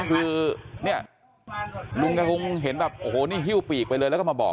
คือเนี่ยลุงแกคงเห็นแบบโอ้โหนี่ฮิ้วปีกไปเลยแล้วก็มาบอก